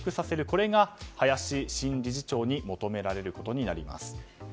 これが林新理事長に求められることになります。